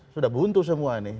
sudah buntu semua ini